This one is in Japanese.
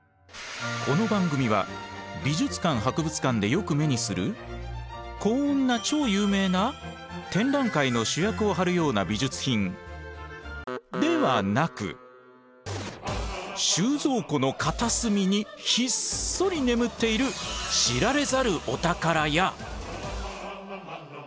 この番組は美術館・博物館でよく目にするこんな超有名な展覧会の主役を張るような美術品ではなく収蔵庫の片隅にひっそり眠っている知られざるお宝や。